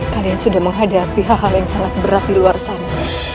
kalian sudah menghadapi hal hal yang sangat berat di luar sana